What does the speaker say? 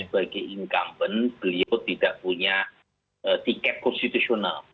sebagai incumbent beliau tidak punya tiket konstitusional